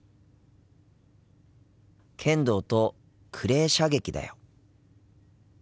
剣道とクレー射撃だよ。